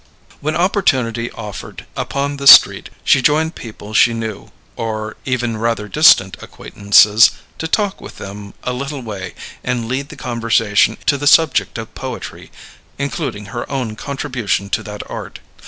When opportunity offered, upon the street, she joined people she knew (or even rather distant acquaintances) to walk with them a little way and lead the conversation to the subject of poetry, including her own contribution to that art.